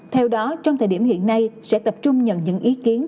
theo đó trong thời điểm hiện nay sẽ tập trung nhận những ý kiến